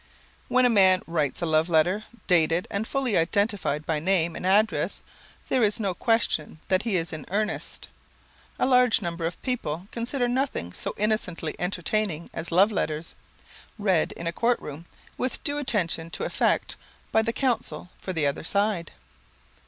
When a man writes a love letter, dated, and fully identified by name and address, there is no question but that he is in earnest. A large number of people consider nothing so innocently entertaining as love letters, read in a court room, with due attention to effect, by the counsel for the other side.